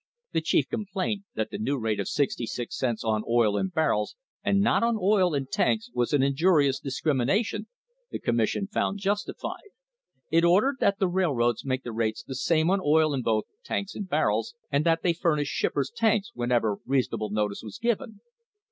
The chief complaint, that the new rate of sixty six cents on oil in barrels and not on oil in tanks was an injurious discrimination, the Commission found justified. It ordered that the railroads make the rates the same on oil in both tanks and barrels, and that they furnish shippers tanks whenever reasonable notice was given.